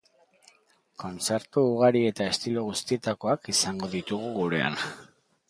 Kontzertu ugari eta estilo guztietakoak izango ditugu gurean.